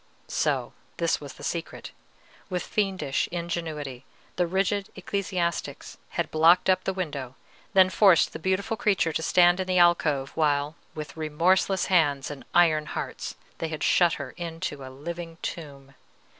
So this was the secret. With fiendish ingenuity, the rigid ecclesiastics had blocked up the window, then forced the beautiful creature to stand in the alcove, while with remorseless hands and iron hearts they had shut her into a living tomb.